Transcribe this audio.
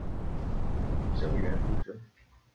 生员出身。